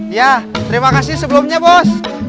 ya terima kasih sebelumnya bos